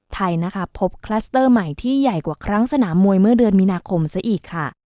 ไทยนะคะพบคลัสเตอร์ใหม่ที่ใหญ่กว่าครั้งสนามมวยเมื่อเดือนมีนาคมซะอีกค่ะ